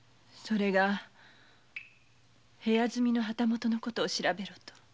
それが部屋住みの旗本のことを調べろと。